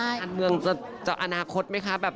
อาจารย์เมืองจะจะอนาคตไหมคะแบบ